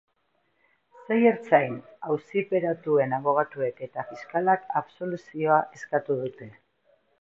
Sei ertzain auziperatuen abogatuek eta fiskalak absoluzioa eskatu dute.